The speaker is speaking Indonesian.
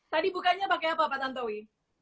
tadi bukanya pakai apa pak tantowi